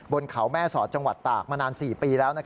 บนเขาแม่สอดจังหวัดตากมานาน๔ปีแล้ว